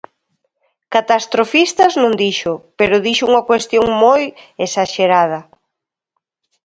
Catastrofistas non dixo, pero dixo unha cuestión moi exaxerada.